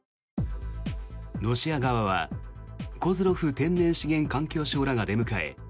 ロシア側はコズロフ天然資源環境相らが出迎え